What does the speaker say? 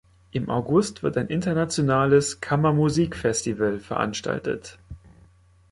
Im August wird ein internationales Kammermusikfestival veranstaltet.